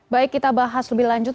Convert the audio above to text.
baik kita bahas lebih lanjut